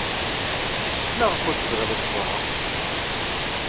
Maɣef ur tebɣiḍ ad ẓreɣ?